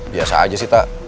biasa aja sih tak